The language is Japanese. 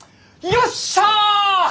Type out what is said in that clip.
よっしゃ！